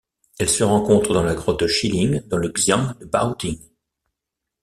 Elle se rencontre dans la grotte Shilin dans le xian de Baoting.